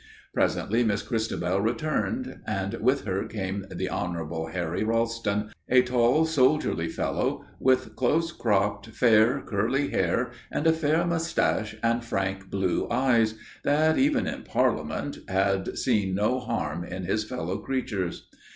Presently Miss Christabel returned, and with her came the Honourable Harry Ralston, a tall, soldierly fellow, with close cropped fair curly hair and a fair moustache, and frank blue eyes that, even in Parliament, had seen no harm in his fellow creatures.